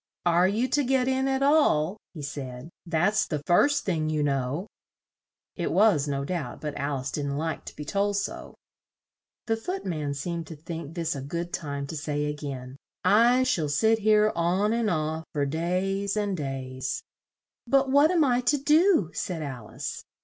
"Are you to get in at all?" he said. "That's the first thing, you know." It was, no doubt; but Al ice didn't like to be told so. The Foot man seemed to think this a good time to say a gain, "I shall sit here on and off, for days and days." "But what am I to do?" said Al ice.